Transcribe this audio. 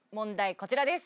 こちらです